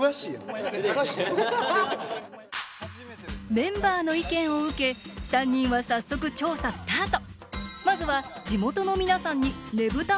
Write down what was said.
メンバーの意見を受け３人は早速調査スタート。